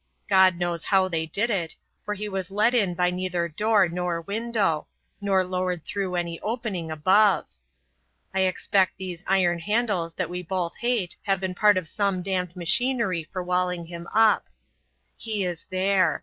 God knows how they did it, for he was let in by neither door nor window, nor lowered through any opening above. I expect these iron handles that we both hate have been part of some damned machinery for walling him up. He is there.